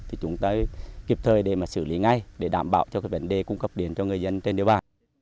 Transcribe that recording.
thì chúng tôi kịp thời để xử lý ngay để đảm bảo cho vấn đề cung cấp điện cho người dân trên địa bàn